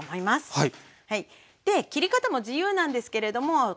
はい。